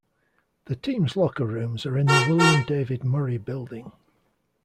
The teams locker rooms are in the Willam David Murray Building.